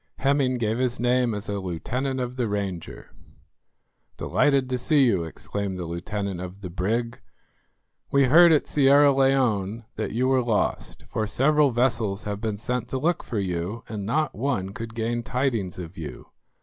Hemming gave his name as a lieutenant of the Ranger. "Delighted to see you," exclaimed the lieutenant of the brig; "we heard at Sierra Leone that you were lost, for several vessels have been sent to look for you, and not one could gain tidings of you.